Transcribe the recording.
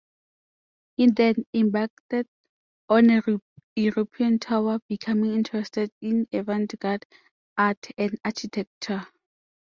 He then embarked on a European tour, becoming interested in avant-garde art and architecture.